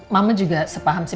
mama juga sepaham sih